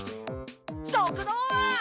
食堂は。